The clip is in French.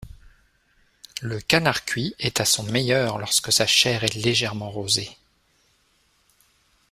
Le canard cuit est à son meilleur lorsque sa chair est légèrement rosée.